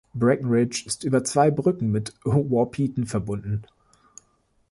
Breckenridge ist über zwei Brücken mit Wahpeton verbunden.